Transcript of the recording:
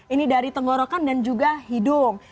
ini dari tenggorokan dan juga hidung